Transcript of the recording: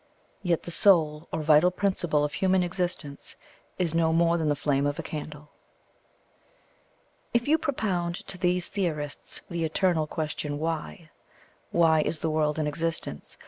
Yet the soul, or vital principle of human existence, is no more than the flame of a candle." If you propound to these theorists the eternal question WHY? why is the world in existence?